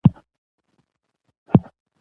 هندوکش د هیوادوالو لپاره لوی ویاړ دی.